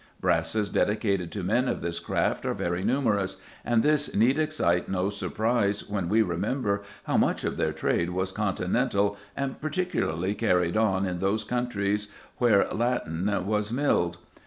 Brasses dedicated to men of his craft are very numerous; and this need excite no surprise when we remember how much of their trade was continental and particularly carried on in those countries where latten was milled.